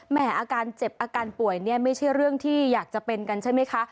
อาการเจ็บอาการป่วยเนี่ยไม่ใช่เรื่องที่อยากจะเป็นกันใช่ไหมคะ